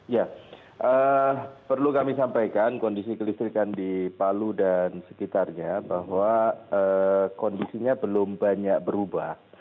ya perlu kami sampaikan kondisi kelistrikan di palu dan sekitarnya bahwa kondisinya belum banyak berubah